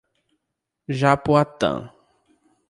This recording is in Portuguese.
Japoatã